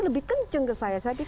lebih kenceng ke saya